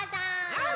はい！